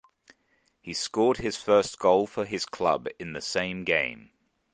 He scored his first goal for his club in the same game.